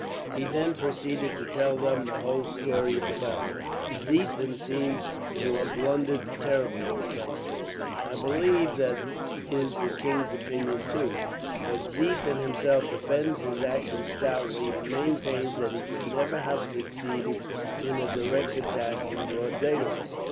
He then proceeded to tell them the whole story of the battle. "Ziethen seems to have blundered terribly," the count said. "I believe that that is the king's opinion, too; but Ziethen himself defends his action stoutly, and maintains that he could never have succeeded in a direct attack, in broad daylight.